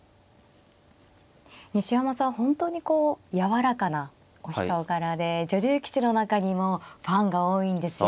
西山さんは本当にこうやわらかなお人柄で女流棋士の中にもファンが多いんですよ。